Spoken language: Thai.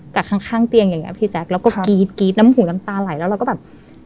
จากข้างเตียงอย่างเงี้พี่แจ๊คแล้วก็กรี๊ดกรี๊ดน้ำหูน้ำตาไหลแล้วเราก็แบบ